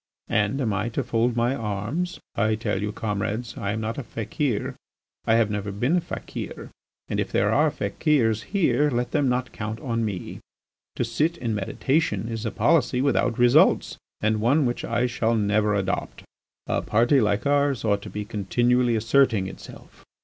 And am I to fold my arms? I tell you, comrades, I am not a fakir, I have never been a fakir, and if there are fakirs here let them not count on me. To sit in meditation is a policy without results and one which I shall never adopt. "A party like ours ought to be continually asserting itself.